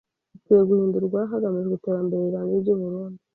ikwiye guhindurwa hagamijwe iterambere rirambye ry’u Burunnd